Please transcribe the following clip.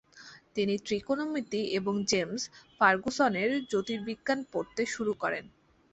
তিনি ত্রিকোণমিতি এবং জেমস ফার্গুসনের জ্যোর্তিবিজ্ঞান পড়তে শুরু করেন।